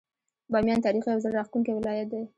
باميان تاريخي او زړه راښکونکی ولايت دی.